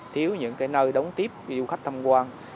thiếu những nơi đóng tiếp du khách thăm quan